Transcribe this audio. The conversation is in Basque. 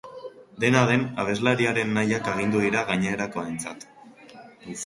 Dena den, abeslariaren nahiak agindu dira gainerakoentzat.